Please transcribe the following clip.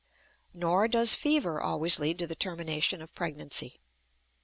Nor does fever always lead to the termination of pregnancy.